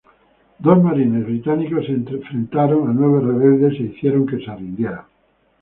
Dos marines británicos se enfrentaron a nueve rebeldes e hicieron que se rindieran.